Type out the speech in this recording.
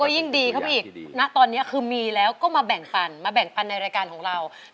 ยิ่งดีเข้าไปอีกณตอนนี้คือมีแล้วก็มาแบ่งปันมาแบ่งปันในรายการของเรา